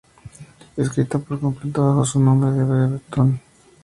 Escrita por completo bajo su nombre en bretón.